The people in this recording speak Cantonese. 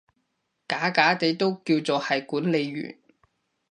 假假地都叫做係管理員